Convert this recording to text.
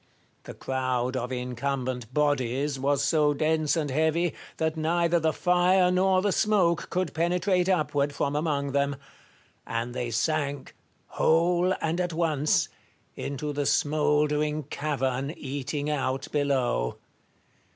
The crowd of incumbent bodies was so dense and heavy, that neither the fire nor the smoke could penetrate upward from among them ; and they sank, whole and at once, into the smouldering cavern eating out below.